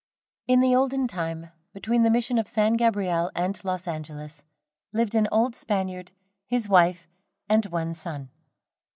In the olden time, between the Mission of San Gabriel and Los Angeles, lived an old Spaniard, his wife, and one son.